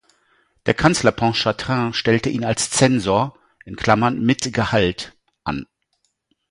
Der Kanzler Pontchartrain stellte ihn als Zensor (mit Gehalt) an.